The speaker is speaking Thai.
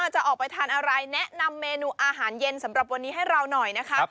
จะออกไปทานอะไรแนะนำเมนูอาหารเย็นสำหรับวันนี้ให้เราหน่อยนะคะ